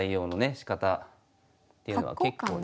しかたっていうのは結構ね。